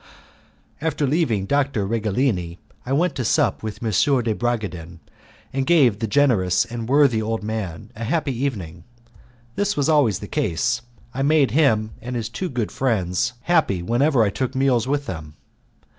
After leaving Dr. Righelini I went to sup with M. de Bragadin, and gave the generous and worthy old man a happy evening. This was always the case; I made him and his two good friends happy whenever I took meals with them.